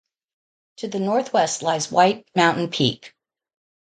To the northwest lies White Mountain Peak.